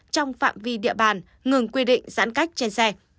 trong phạm vi địa bàn ngừng quy định giãn cách trên xe